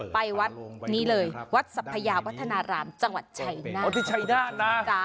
ไปวัดนี้เลยวัดสัพพยาวัฒนารามจังหวัดชัยน่าน